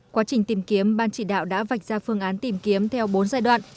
quá trình tìm kiếm ban chỉ đạo đã vạch ra phương án tìm kiếm theo bốn giai đoạn